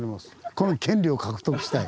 この権利を獲得したい。